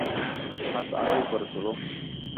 হাত আরও উপরে তোলো!